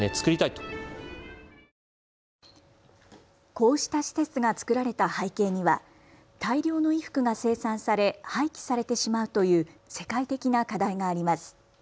こうした施設が造られた背景には大量の衣服が生産され廃棄されてしまうという世界的な課題があります。